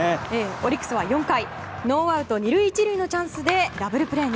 オリックスは４回ノーアウト２塁１塁のチャンスでダブルプレーに。